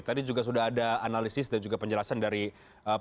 tadi juga sudah ada analisis dan juga penjelasan dari pak